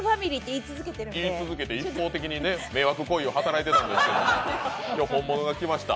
言い続けて、一方的に迷惑行為を働いていたんですけど、今日本物が来ました。